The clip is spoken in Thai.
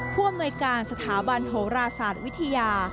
ผ่วมในการสถาบันโฮราศาสตร์วิทยา